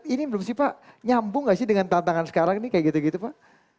ini belum sih pak nyambung gak sih dengan tantangan sekarang nih kayak gitu gitu pak